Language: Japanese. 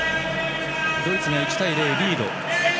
ドイツが１対０とリード。